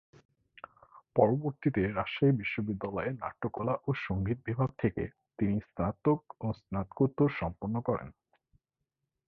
পরবর্তীতে রাজশাহী বিশ্ববিদ্যালয়ে নাট্যকলা ও সঙ্গীত বিভাগ থেকে তিনি স্নাতক ও স্নাতকোত্তর সম্পন্ন করেন।